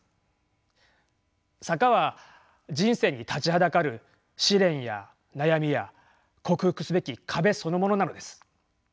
坂は人生に立ちはだかる試練や悩みや克服すべき壁そのものなのです。